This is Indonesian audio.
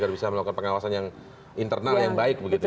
agar bisa melakukan pengawasan yang internal yang baik begitu ya